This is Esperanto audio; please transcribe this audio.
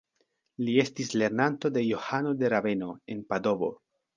Li estis lernanto de Johano de Raveno, en Padovo.